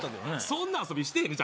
そんな遊びしてへん